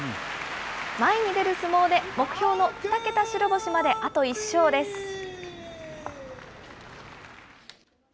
前に出る相撲で、目標の２桁白星まであと１勝です。